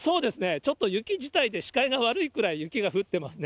ちょっと雪自体で視界が悪いくらい雪が降ってますね。